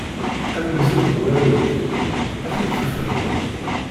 Amenzu deg warraw-ik, ad t-id-tefduḍ.